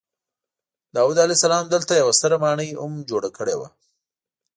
داود علیه السلام دلته یوه ستره ماڼۍ هم جوړه کړې وه.